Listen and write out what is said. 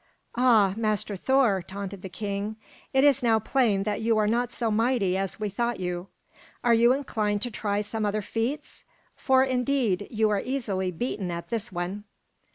"Ah, Master Thor," taunted the king, "it is now plain that you are not so mighty as we thought you. Are you inclined to try some other feats? For indeed, you are easily beaten at this one."